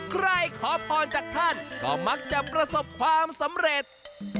ใครขอพรจากท่านก็มักจะประสบความสำเร็จ